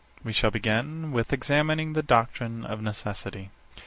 We shall begin with examining the doctrine of necessity.